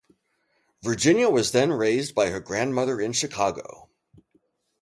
Virginia was then raised by her grandmother in Chicago.